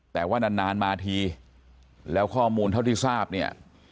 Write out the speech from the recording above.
แต่ว่านานมาทีแล้วข้อมูลเท่าที่ทราบเนี่ย